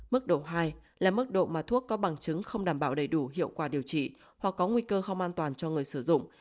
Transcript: mức độ hai là mức độ mà thuốc có bằng chứng không đảm bảo đầy đủ hiệu quả điều trị hoặc có nguy cơ không an toàn cho người sử dụng